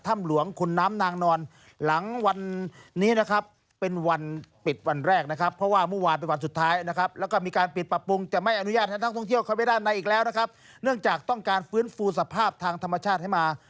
ทหารบุพรุทธภาพทางธรรมชาติได้มา